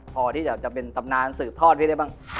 พอที่จะเป็นตำนานสืบทอดไว้ได้บ้าง